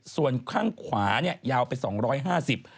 ส่วนข้างขวาเนี่ยยาวไปสองร้อยห้าสิบ